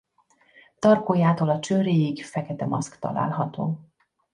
Tarkójától a csőréig fekete maszk található.